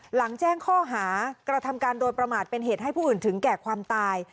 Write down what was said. หลังแจ้งข้อหากระทำการโดยประมาทเป็นเหตุให้ผู้อื่นถึงแก่ความตาย